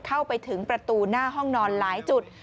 เข้าไปถึงประตูหน้าห้องนอนหลายจุด